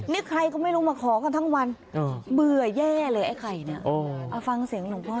นี่ใครก็ไม่รู้มาขอกันทั้งวันเบื่อแย่เลยไอ้ไข่เนี่ยเอาฟังเสียงหลวงพ่อ